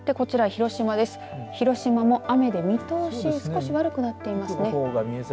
広島も雨で見通しが少し悪くなっていますね。